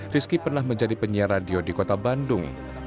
rizky pernah menjadi penyiar radio di kota bandung